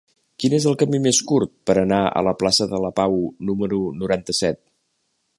Quin és el camí més curt per anar a la plaça de la Pau número noranta-set?